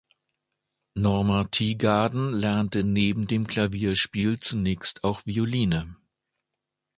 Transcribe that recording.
Norma Teagarden lernte neben dem Klavierspiel zunächst auch Violine.